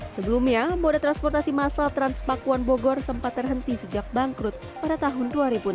sebelumnya moda transportasi masal transpakuan bogor sempat terhenti sejak bangkrut pada tahun dua ribu enam belas